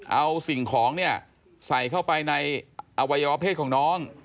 เอาสิ่งของเนี่ยใส่เข้าไปในอวัยวะเพศของน้อง